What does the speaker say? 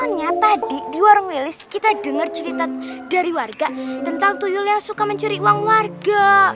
makanya tadi di warung wilis kita dengar cerita dari warga tentang tuyu yang suka mencuri uang warga